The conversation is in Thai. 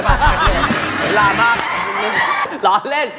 เวลามากร้อนเล่น